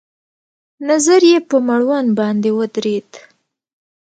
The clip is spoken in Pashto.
نظر يې په مړوند باندې ودرېد.